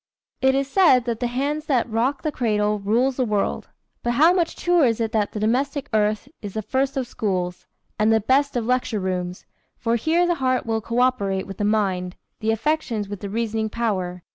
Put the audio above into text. It is said that "The hand that rocks the cradle rules the world," but how much truer is it that "The domestic hearth is the first of schools, and the best of lecture rooms; for here the heart will coöperate with the mind, the affections with the reasoning power."